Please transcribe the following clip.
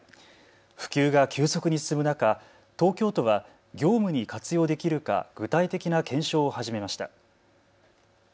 普及が急速に進む中、東京都は業務に活用できるか具体的な検証を始めました。